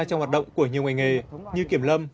trong hoạt động của nhiều ngành nghề như kiểm lâm